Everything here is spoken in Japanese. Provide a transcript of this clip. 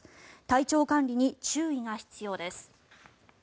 体調管理に注意が必要です。